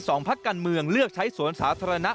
พักการเมืองเลือกใช้สวนสาธารณะ